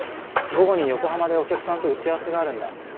午後に横浜でお客さんと打ち合わせがあるんだ。